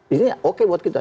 ini oke buat kita